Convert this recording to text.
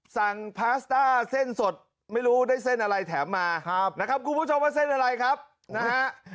พาสต้าเส้นสดไม่รู้ได้เส้นอะไรแถมมานะครับคุณผู้ชมว่าเส้นอะไรครับนะฮะ